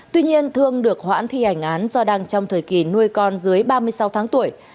tuy nhiên thương được hoãn thi hành án do đang trong thời kỳ nuôi con dưới ba mươi sáu tháng tuổi